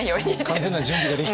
完全な準備ができて。